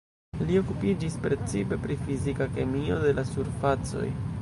Li okupiĝis precipe pri fizika kemio de la surfacoj.